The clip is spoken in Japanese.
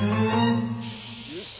よし。